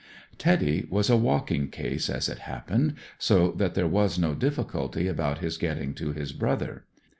" Teddy " was a " walking case " as it happened) so that there was no diffi culty about his getting to his brother.